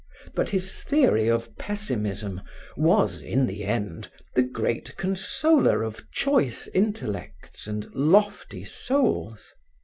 But his theory of pessimism was, in the end, the great consoler of choice intellects and lofty souls.